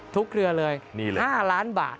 เครือเลย๕ล้านบาท